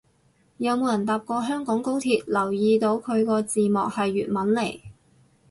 有冇人搭過香港高鐵留意到佢個字幕係粵文嚟